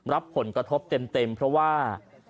รับผลกระทบเต็มเพราะว่า